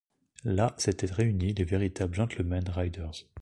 Là s’étaient réunis les véritables gentlemen-riders.